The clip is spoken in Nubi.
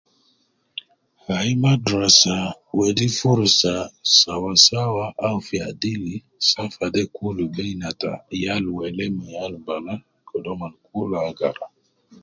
Ai madrasa wedi furusa sawa sawa au fi adil safa de kul, beina ta yal wele ma yal bana, kede mon kul agara